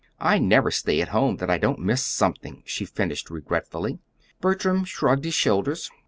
I never stay at home that I don't miss something," she finished regretfully. Bertram shrugged his shoulders.